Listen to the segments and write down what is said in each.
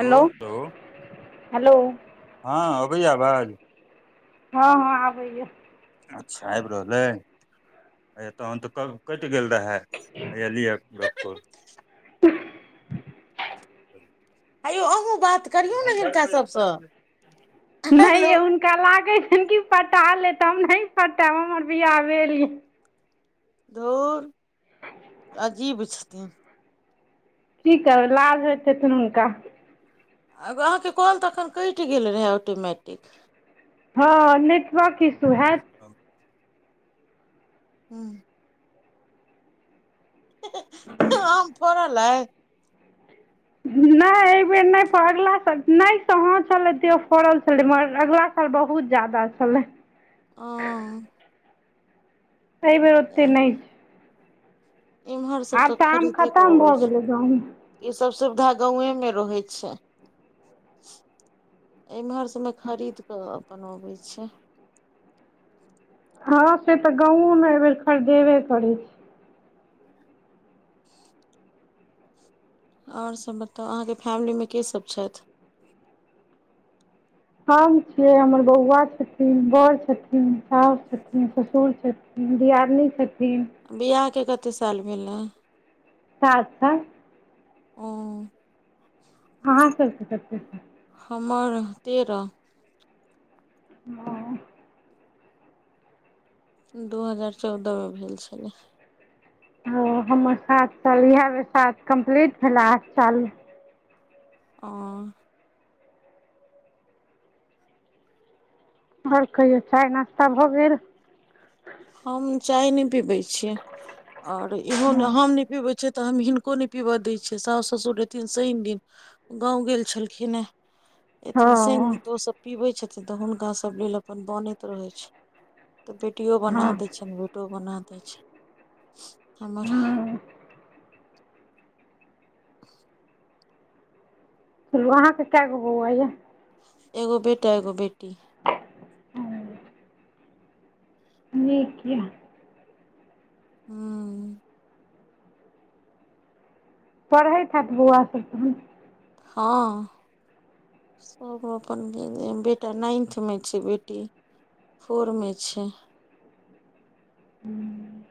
Hello -hello. हाँ आबैया आवाज। हांँ -हाँ आबैया। अच्छा आब रहलै ए तहन तऽ करूं। केट गेल रहा हेया लिया गप करूं। [unintelligible] हेयौ अहूँ बात करियो नऽ हिनका सबसँ हेलो। हिनका लागे छन कि पटा लेत, हम नै पटेब हमर बिहा भेल या। धूर अजीब छथिन की करबै लाज होइत हेतयन हुनका। अब अहाँके कॉल तखन केट गेल रहए ऑटोमैटिक। हाँ नेटवर्क इशू हैत। हू आम फड़ल अइ। ने एबेर ने फहरला सख ने कहां छलै सेहो फड़ल छलै मगर अगला साल बहुत ज्यादा छले। अं। ऐ बेर ओतेक ने छै। इम्हर सब आब तऽ आम खरीदे के खतम अबै भऽ छै गेलै गाव। ई सब सुविधा गावे मे रहै छै इमहर तऽ मे खरीद के अपन आबे छै। हँ से तऽ गाँंवों मे ए बेर खरीदेबे करै छै। ओर सब बताउ अहाँके फैमिली में के सब छेथ। हम छियै, हमर बौआ छथिन, बड़ छथिन, सॉस छथिन, ससुर छथिन। दीयादनी छथिन। बियाहके कते साल भेल हा। सात साल ओ। अहाँ सब कऽ कतऽ स हमर तेरह [inaudible] दू हजार चौदह मे भेल छलै‌ हूॅं हमर सात साल इहे बेर सात कम्प्लीट भेला आठ साल ओ आओर कहियौ चाय-नास्ता भऽ गेल। हम चाय नय पीबै छियै आओर इहो नय हँ हम नय पीबै छीयै तऽ हम हिनको नय पिबऽ दै छियैे साउस-ससूर एथिन शनि दिन। गाँंव गेल छलखिन आय एथिन शनि हँ दिन त ओ सब‌ पीबे छथिन तऽ हुनका सब लेल अपन बनैत रहै छै तऽ बेटियो बना हँ दय छनि रोट फोटो बना दै छै हमर हँ चलू अहाँके कै गो बौआ ये एगो बेटा एगो बेटी नीक यऽ हँ पढ़ैत हैत बौआ सभ तहन हँ सभ अपन बेटा नाइन्थमे छै बेटी फोर मे छै हूँ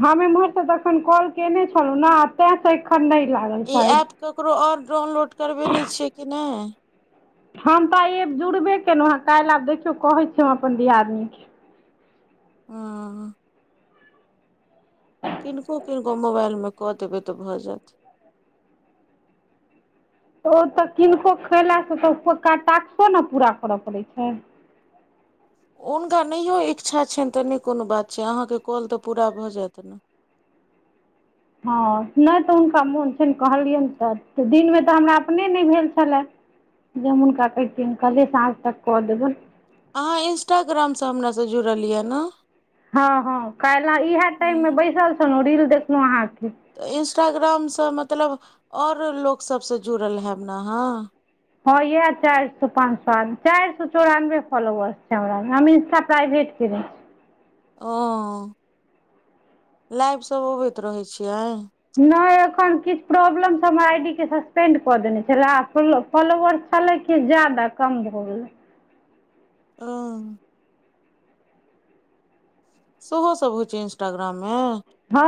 हम एम्हरसँ तखन कॉल कयने छलहुँ ने आ तैं सँ एखन नय लागल ई शायद ऐप ककरो आओर डाउनलोड करबेने छियै कि नय हम तऽ आइये जुड़बे केलहुँ हे काल्हि आब देखियौ कहै छियै हम अपन दियादनी के हँ किनको- किनको मोबाइल मे कऽ देबै तऽ भऽ जायत। ओ तऽ किनको कयलासँ तऽ टास्को न पूरा करय पड़ै छै। हुनका नहियो इच्छा छनि तऽ नय कोनो बात छै अहाँके कॉल तऽ पूरा भऽ जायत ने। हँ नय तऽ हुनका मोन छनि कहलियनि तऽ दिनमे तऽ हमरा अपने नय भेल छलै। जे हम हुनका कहतियनि कहलियै साँझ तक कऽ देबनि अहाँ इंस्टाग्राम सँ हमरा सँ जुड़लियैए ने हँ हँ काल्हि इएह टाइम मे बैसल छलहुँ रील देखलहुँ अहाँके तऽ इंस्टाग्राम सँ मतलब आओर लोक सभ सँ जुड़ल हेब ने अहाॅं हँ येह चारि सौ, पाँच सौ चारि सए चौरानबे फालोवरस छै हमरा हम इन्स्टा प्राइभेट केने छी ओ लाइब सब अबैत रहै छियै नय एखन किछ प्रॉब्लम सँ हमर आ इ डी के सस्पेन्ड कऽ देने छलैए आ खुललो फॉलोवर छलै कि जादा कम भऽ गेलै ओ सेहो सभ होइ छै इंस्टाग्राम मे हँ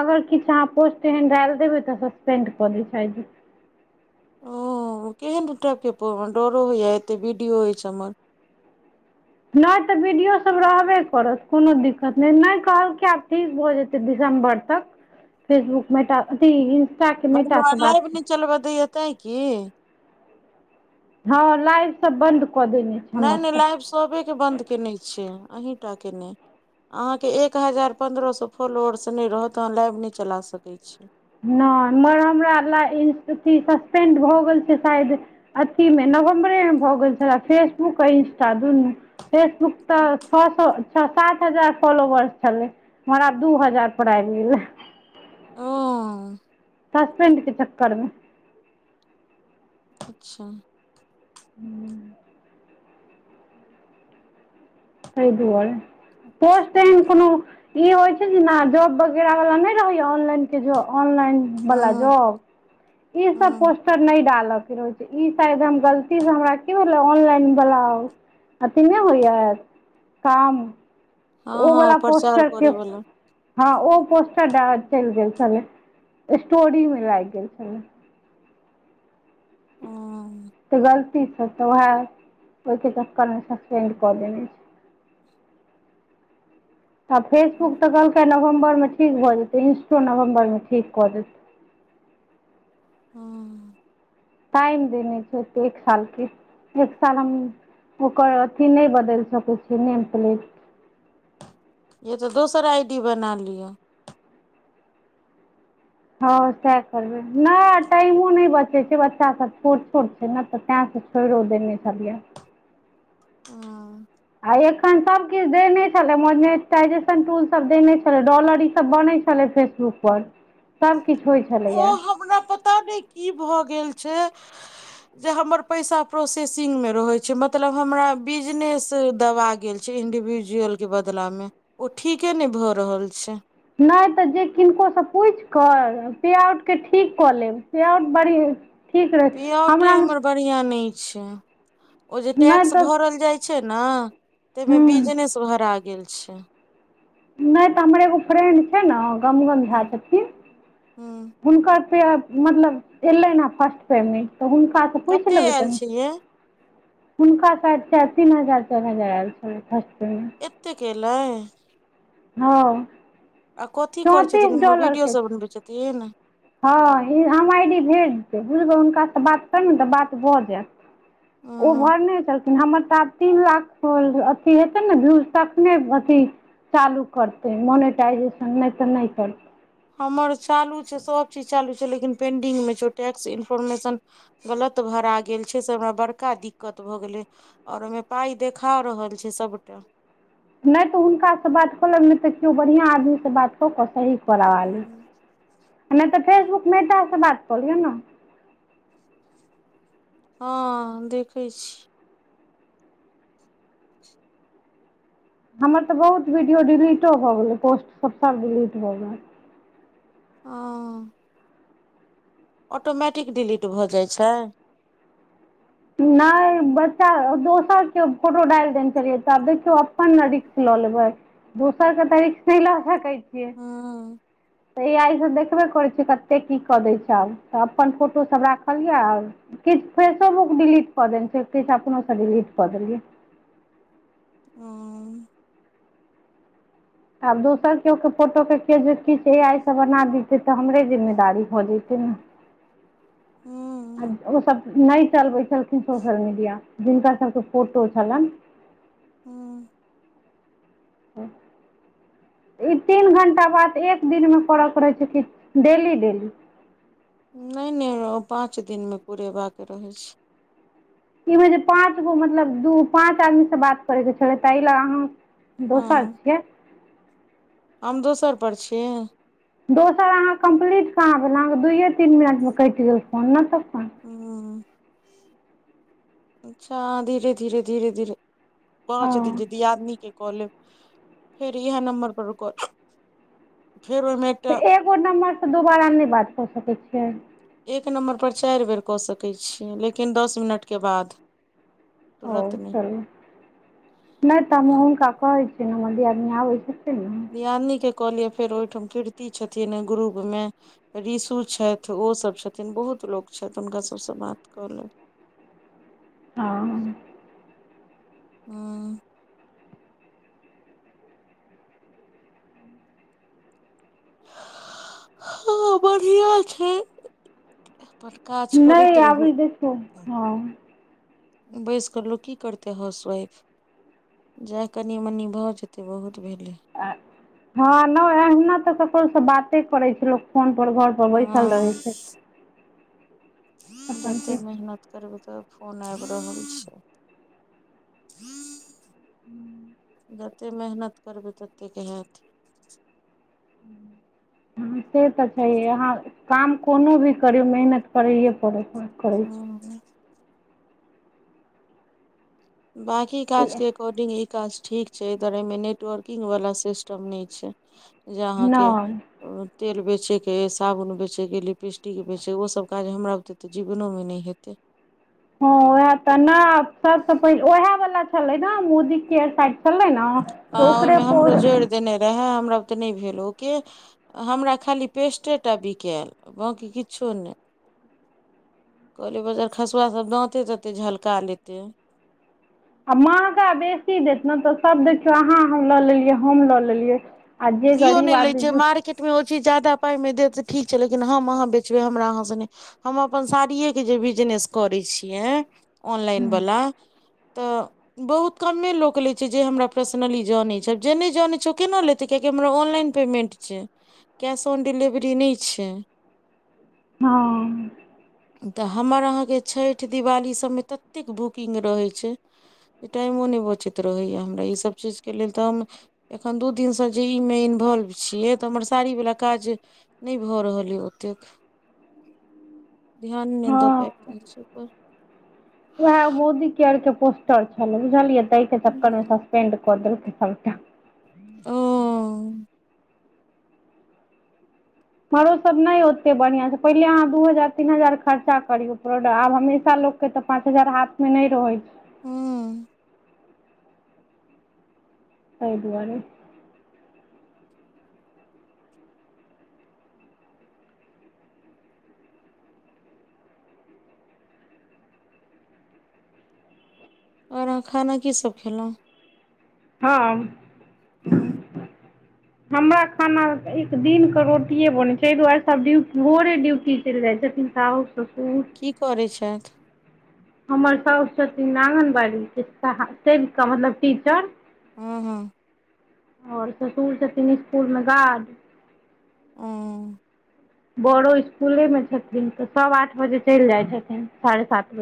अगर किछ अहाँ पोस्ट एहन डालि देबै तऽ सस्पेंड कऽ दै छै आइडी ओ केहन टाइप के डरो होइये एते बिडियो अछि हमर नय तऽ बीडियो सब रहबे करत कोनो दिक्कत नय नय कहलकै ये आब ठीक भऽ जेतै दिसम्बर तक फेसबुक मेटा अथी ई इंस्ट मतलब आब लाइव नय चलब दैए तैं की हँ लाइव सब बंद कऽ देने छै नय हमर नय सब लाइब सभे के बन्द केने छै अहीं टा के नय अहाँके एक हजार पन्द्रह सौ फॉलोअर्स नै रहत अहाँ लाइव नै चला सकै छी नय मग हमरा ल ई अथी सस्पेंड भऽ गेल छै शायद अथी मे नवम्बरेमे भऽ गेल छलए फेसबुक आ इंस्टा दुनू फेसबुक तऽ छ सौ छ सात हजार फॉलोवर्स छलै मगर आब दू हजार पर आबि गेलै ओ ससपेंड के चक्कर मे अच्छा। हूँ। ताहि दुआरे पोस्ट ताईम कोनो ई होइ छै जेना जॉब वगैरा वाला नै रहैया ऑनलाइन के ज ऑनलाइन वला हँ जॉब ई सब हँ पर नै डालके रहै छै ई शायद हम गलती से हमरा की भेलै ऑनलाइन ब्लाउ अथी नै होइया काम तऽ हँ उ हँ वला प्रचार पोस्टर के करे वाला हँ ओ पोस्टर डारेक्ट चलि गेल छलै स्टोरी मे लागि गेल छलै। हँ त गलती स तऽ उएह। ओय के चककर मे ससपेंड कऽ देने छै। [inaudible] आ फेसबुक तऽ कहलकै नवम्बरमे ठीक भऽ जेतै इंस्टो नवम्बरमे ठीक कऽ देतै। हँ। टाइम देने छै एतेखाल के एक साल हम ओकर अथी नै बदलि सकै छीयै नेम प्लेट। ये त दोसर आई डी बना लिय। हँ सएह करबै नै टाइमो नै बचै छै बच्चा सब छोट छोट छै नै तऽ तैं। छोड़रो दे नै छलिया। अ आ एखन सब किछ देने छले मोनेटाजेशन टूल सब देने छले डॉलर ई सब बनै छ छलै फेसबुक पर। [inaudible] सबकिछ होइ छलैया। ताबे की भऽ गेल छै। जे हमर पैसा प्रोसेसिंग मे रहै छै मतलब हमरा बिजनेस दवा गेल छै इंडिविजुअल के बदला मे ओ ठीके नै भऽ रहल छै। नै तऽ जे किनकोसँ पूछि क पेआउटके ठीक कऽ लेब पेआउट बरी पिऔटे हमर बढ़िया नै छै ओ जे नहि टैक्स तऽ भरल जाइ छै न तमे हूँ बीजनेस भरा गेल छै। नै तऽ हमर एगो फ्रेंड छै न गमगम झा ह छथिन हुनकर पिऔट मतलब एलनि हँ फर्स्ट पेंमेंट तऽ हुनका पूछि कते लेबै आयल कनी। छै ये हुनका शायद तीन हजार चारि हजार आयल छलै फर्स्ट। एतेक अयलै। हँ। आ कथी करै चौंतीस छथिन वीडियो डॉलरके सब छै बनबै छथिन। हँ ई हम आइ डी भेज देब बुझबै हुनकासँ बात करबै ने तऽ बात भऽ जायत। ओ ह भरने छलखि हमर तऽ आब तीन लाख होल अथि हेतै ने व्यू तखने अथी चालू करतै मोनिटाइजेशन नहि तऽ नहि करतै हमर चालू छै सभचीज चालू छै लेकिन पेंडिंग मे छै टैक्स इन्फोर्मेशन गलत भरा गेल छै से हमरा बड़का दिक्कत भऽ गेलै आओर ओहिमे पाई देखा रहल छै सबटा नहि तऽ हुनकासँ बात कऽलेब नहि तऽ केओ बढ़ियाँ आदमी से बात कऽ कऽ सही। करबा लेब नहि तऽ फेसबुक मेटा सॅं बात क लिअ ने। हाँ देखै छी। हमर तऽ बहुत वीडियो डिलीटो भऽ गेलै पोस्ट सब सब डिलीट भऽ गेलै हाँ-अ ऑटोमेटिक डिलीट भऽ जाइ छै नहि बच्चा दोसर के फोटो डालि देने छलियै तऽ आब देखियौ अपन ने रिस्क लऽ लेबै दोसरके त रिस्क नहि लऽ सकै छियै हँ एआई सभ देखबे करैत छिय कतेक की कऽ दै छै आब तऽ अपन फोटोसभ राखल या आब किछु फेसोबुक डिलीट कऽ देने छै किछु अपनोसँ डिलीट कऽ देलियै। हूँ आब दोसर केओ के फोटोके के किछु ए आइ सभ बना दतै तऽ हमरे जिम्मेदारी भऽ जतै ने आ हूँ ओ सब नहि चलबै छलखिन सोशल मीडिया जिनका सबके फोटो छलनि हूँ [unintelligible] ई तीन घण्टा बात एक दिनमे करऽ परै छै की डेली डेली नै नै ओपाँच दिनमे पुरेबाक रहै छै ईमे जे पाँच गो मतलब दू पाँच आदमी से बात करेके छलै ताहि ला अहाँ हँ दोसर छियै हम दोसर पर छीयै दोसर अहाँ कम्प्लीट कहाँ भेल अहाँकेँ दुइए तीन मिनटमे कटि गेल फोन न तखखन हूँ अच्छा आ धीरे धीरे धीरे धीरे पाँच दिन हँ के दीयादनी के कऽ लेब फेर इह नम्बर पर कऽ लेब फेर ओईमे तऽ एगो नम्बरसँ दोबारा नैई बात कऽ सकैत छियै एक नम्बर पर चारि बेर कऽ सकैत छि लेकिन दस मिनटके बाद ओ तुरत नहि चलू नहि तऽ हम हुनका कहै छियै ने हमर दीयादनी आबै छथिन न दियादनीके कऽ लिअ फेर ओहिठाम कीर्ति छथिन ग्रुपमे रीशु छथि ओसभ छथिन बहुत लोक छथि हुनका सभसँ बात क लेब हाँ हाँ हाँ बढ़ियाँ छै काज नै करैत आबै रहू इ देखियो हाँ बैस कऽ लोग की करतै हाउसवाइफ जा कनि मनि भऽ जेतै बहुत भेलैय आ हाँ नै अहीना तऽ ककरोसँ बाते करै छै लोक फोन पर घर ओ बैसल हँ रहै छै अपन जते की मेहनत करबै त फोन आबि रहल छै जतेक मेहनत करबै ततेक हैत से तऽ छैय अहाँ काम कोनो भी करीयो मेहनत करैए पड़त करैए हूं बांकी काज छै के एककॉर्डिंग ई काज ठीक छै एकर एहिमे नेटवर्किंग वला सिस्टम नै छैय जे अहाँके नहि तेल बेचेके अइ साबुन बेचेके लिपस्टिक बेचेके ओसभ काज हमरा बुते जीवनो मे नै हेतै हाँ ओएह तऽ नै सबसँ पहिल ओएह वला छलै ने मोदी केयर शायद छलै ना हाँ ओहिमे हमरो जोड़ि देने रहाए हमरा बुते नहि भेल ओय के हमरा खाली पेस्टेटा बिकायल बाँकी किछो नै कहलियै बजरखसुआ सब दाँते तते झलका लेते आ महँगा बेसी देत ने तऽ सभ देखियौ अहाँ हम लऽ लेलियै हम लऽ लेलियै आ जेे कियो गरीब नहि लै आदमी छै जूड़ मार्केट मे ओ चीज जाायदा पाइमे देत तऽ ठीक छै लेकिन हम अहाँ बेचबै हमरा अहाँ सने हम अपन साड़िएके जे बिजनेस करै छियै ऑनलाइनवला तऽ बहुत कमे लोक लै छै जे हमरा पर्सनली जानै छै जे नहि जानै छै ओ केना लेतै कियाकी हमरा ऑनलाइन पेमेन्ट छै कैश ऑन डिलेवरी नहि छै हाँ तऽ हमर अहाँके छठ दिवाली सभमे ततेक बुकिंग रहै छै टाइमो नहि बचैत रहैया हमरा ई सब चीज के लेल तऽ हम एखन दू दिन स जे ई मे इन्वोल्व छियै तऽ हमर साड़ी बला काज नहि भऽ रहल ये ओतेक ध्यान नइ द पाइब हँ रहल छी अइ पर वएह मोदी केयर के पोस्टर छलै बुझलियै ताहि के चक्करमे सस्पेंड कऽ देलकै सबटा ओ-उ-उउ आरो सभ नहि ओतेक बढ़िआँ छै पहिले अहाँ दू हजार तीन हजार खर्चा करियौ प्रोडक्ट आब हमेशा लोककेँ तऽ पाँच हजार हाथमे नहि रहै छै हूँ अइ दुआरे आओर अहाँ खाना की सब खेलहूँ हम हँ हमरा खाना एक दिनके रोटिए बनैत छै एहि दुआरे सभ ड्यू भोरे ड्यूटी चलि जाइत छथिन साउस ससूर की करै छैथ हमर साउस छथिन आङ्गनबाड़ी के सेविका मतलब टीचर हाँ हाँ आओर ससुर छथिन इसकुलमे गार्ड अं-ओ बरो इसकुले में छथिन तऽ सब आठ बजे चलि जाइ छथिन साढ़े सात बजे